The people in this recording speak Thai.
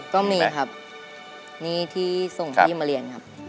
ก็มีครับหนี้ที่ส่งพี่มาเรียนครับ